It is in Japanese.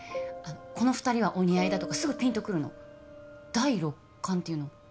この二人はお似合いだとかすぐピンとくるの第六感っていうの？